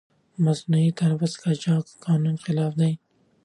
د مصنوعي تنفس قاچاق د قانون خلاف دی.